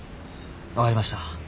分かりました。